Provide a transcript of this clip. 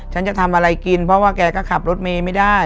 ฉันจะทำอะไรกินเพราะว่าแกก็ขับรถเมย์ไม่ได้